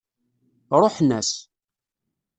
Ṛuḥen-as.